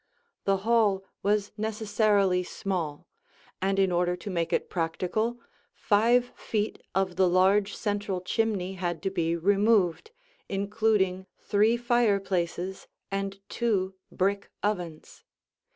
The hall was necessarily small, and in order to make it practical, five feet of the large central chimney had to be removed, including three fireplaces and two brick ovens.